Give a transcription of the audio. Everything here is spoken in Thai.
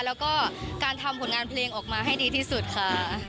แล้วก็การทำผลงานเพลงออกมาให้ดีที่สุดค่ะ